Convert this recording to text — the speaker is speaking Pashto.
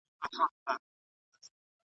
د افغان لښکر حرکت د صفوي لپاره حیرانوونکی و.